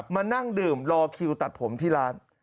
มานั่งดื่มรอคิวตัดผมที่ร้าน